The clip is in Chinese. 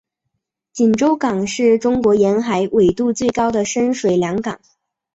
锦州港是中国沿海纬度最高的深水良港。